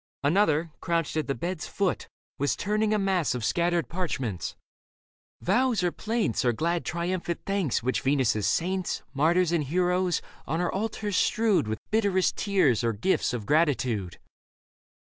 Another, crouched at the bed's foot, was turning A mass of scattered parchments — vows or plaints I 2 Leda Or glad triumphant thanks which Venus' saints, Martyrs and heroes, on her altars strewed With bitterest tears or gifts of gratitude.